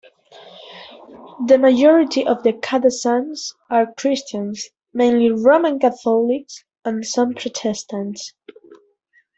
The majority of the Kadazans are Christians, mainly Roman Catholics and some Protestants.